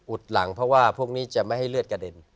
หลังเพราะว่าพวกนี้จะไม่ให้เลือดกระเด็น